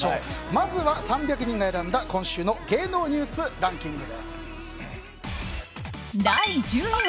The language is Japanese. まずは３００人が選んだ今週の芸能ニュースランキング。